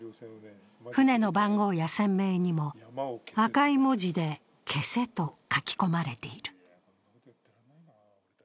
船の番号や船名にも赤い文字で「消せ」と書き込まれている。